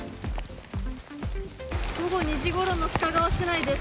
午後２時ごろの須賀川市内です。